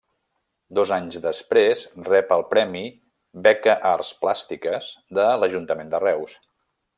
Dos anys després rep el premi Beca Arts Plàstiques, de l’Ajuntament de Reus.